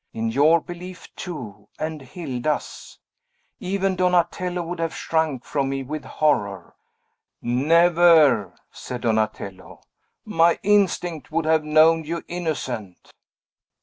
In your belief too, and Hilda's! Even Donatello would have shrunk from me with horror!" "Never," said Donatello, "my instinct would have known you innocent."